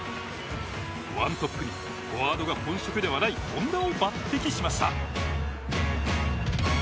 １トップにフォワードが本職ではない本田を抜てきしました。